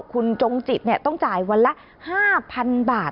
คุณจงจิตต้องจ่ายวันละ๕๐๐๐บาท